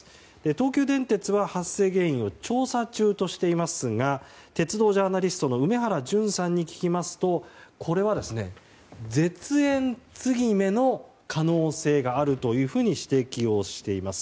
東急電鉄は発生原因を調査中としていますが鉄道ジャーナリストの梅原淳さんに聞きますとこれは、絶縁継ぎ目の可能性があるというふうに指摘をしています。